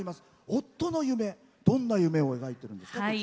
夫の夢、どんな夢を描いているんですか？